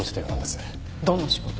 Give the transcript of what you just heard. どんな仕事？